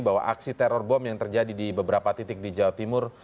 bahwa aksi teror bom yang terjadi di beberapa titik di jawa timur